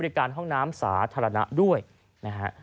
พร้อมกับหยิบมือถือขึ้นไปแอบถ่ายเลย